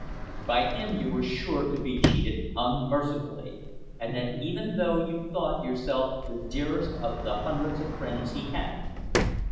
By him you were sure to be cheated unmercifully, and that even though you thought yourself the dearest of the hundreds of friends he had.